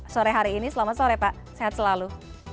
sore hari ini selamat sore pak sehat selalu